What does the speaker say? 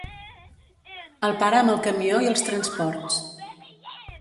El pare amb el camió i els transports.